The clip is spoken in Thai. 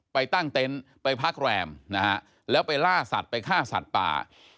ตั้งเต็นต์ไปพักแรมนะฮะแล้วไปล่าสัตว์ไปฆ่าสัตว์ป่า